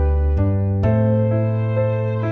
aku mau ke sana